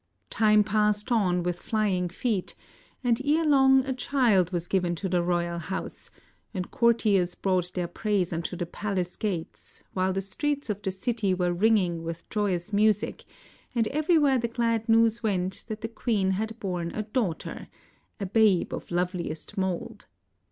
Time passed on ^ith fl>'ing feet, and erelong a child was given to the royal house, and courtiers brought their praise imto the palace gates, while the streets of the city were ringing with joyous music, and ever\"^^here the glad news went that the queen had borne a daughter — a babe of loveliest mould.